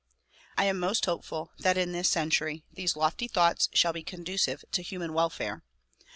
I am most hopeful that in this century these lofty thoughts shall be conducive to human welfare.